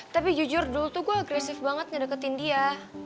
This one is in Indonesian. tapi jujur dulu tuh gue agresif banget ngedeketin dia